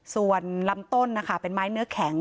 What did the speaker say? ส่วนลำต้นนะคะเป็นไม้เนื้อแข็ง